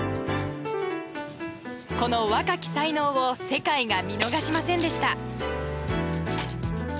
この若き才能を世界が見逃しませんでした。